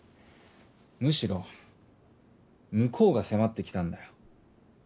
むしろ向こうが迫ってきたんだよ。